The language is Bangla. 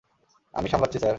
আমি সামলাচ্ছি, স্যার।